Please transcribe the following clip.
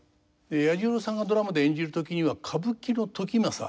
彌十郎さんがドラマで演じる時には歌舞伎の時政